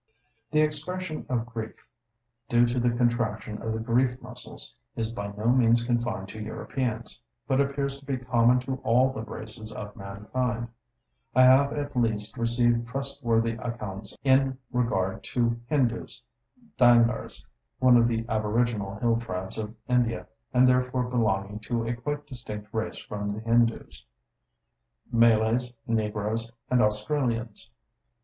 The expression of grief, due to the contraction of the grief muscles, is by no means confined to Europeans, but appears to be common to all the races of mankind. I have, at least, received trustworthy accounts in regard to Hindoos, Dhangars (one of the aboriginal hill tribes of India, and therefore belonging to a quite distinct race from the Hindoos), Malays, Negroes and Australians.